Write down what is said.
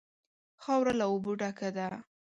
خاوره له اوبو ډکه ده.